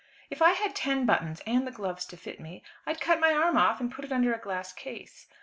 "If I had ten buttons, and the gloves to fit me, I'd cut my arm off and put it under a glass case.